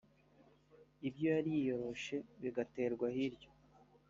ibyo yari yiyoroshe bigaterwa hirya